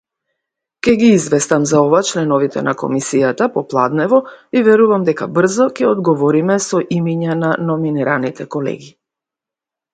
Before signing for Wrexham, he had trials at Newcastle United and Bolton Wanderers.